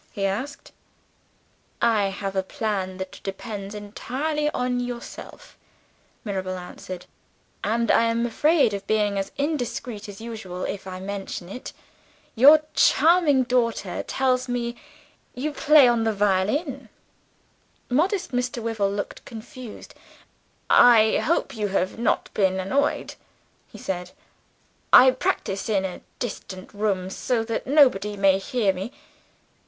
he asked. "I have a plan that depends entirely on yourself," Mirabel answered; "and I am afraid of being as indiscreet as usual, if I mention it. Your charming daughter tells me you play on the violin." Modest Mr. Wyvil looked confused. "I hope you have not been annoyed," he said; "I practice in a distant room so that nobody may hear me."